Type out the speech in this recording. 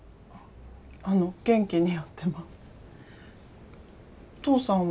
あの元気にやってます。